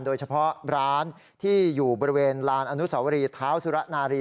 โดยเฉพาะร้านที่อยู่บริเวณลานอนุสวรีเท้าสุระนารี